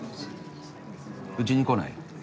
うちに来ない？